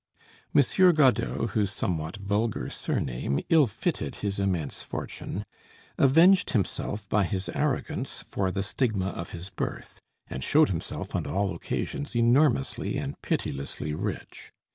M. Godeau, whose somewhat vulgar surname ill fitted his immense fortune, avenged himself by his arrogance for the stigma of his birth, and showed himself on all occasions enormously and pitilessly rich.